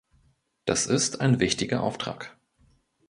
Das ist ein wichtiger Auftrag.